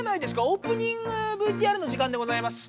オープニングＶＴＲの時間でございます。